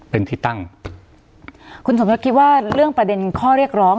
เป็นที่ตั้งคุณสมยศคิดว่าเรื่องประเด็นข้อเรียกร้อง